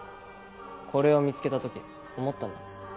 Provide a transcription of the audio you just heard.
これを見つけた時思ったんだ。